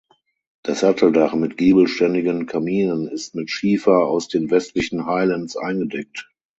Das Satteldach mit giebelständigen Kaminen ist mit Schiefer aus den westlichen Highlands eingedeckt.